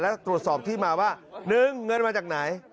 แล้วตรวจสอบที่มาว่า๑เงินมาจากไหน